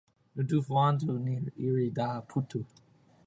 Ndoufwano ni irinda putu.